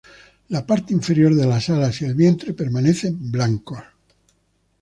La parte inferior de las alas y el vientre permanecen blancos.